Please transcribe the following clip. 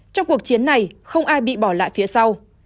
trong cuộc chiến này không ai bị bỏ lại phía sau